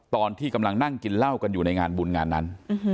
ตอนที่กำลังนั่งกินเหล้ากันอยู่ในงานบุญงานนั้น